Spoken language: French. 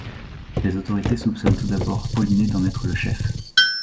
Les autorités soupçonnent tout d'abord Polinet d'en être le chef.